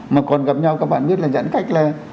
mà còn gặp nhau các bạn biết là giãn cách là